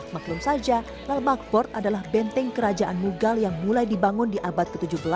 maklum saja lalbaghboard adalah benteng kerajaan mugal yang mulai dibangun di abad ke tujuh belas